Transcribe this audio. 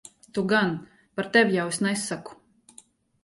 Tu gan. Par tevi jau es nesaku.